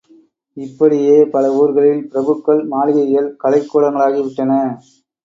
இப்படியே பல ஊர்களில் பிரபுக்கள் மாளிகைகள் கலைக் கூடங்களாகி விட்டன.